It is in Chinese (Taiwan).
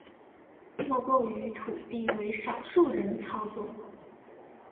莫過於土地為少數人操縱